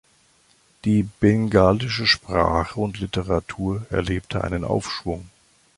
Die bengalische Sprache und Literatur erlebte einen Aufschwung.